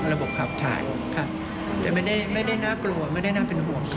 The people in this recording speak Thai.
ระบบขับถ่ายค่ะแต่ไม่ได้น่ากลัวไม่ได้น่าเป็นห่วง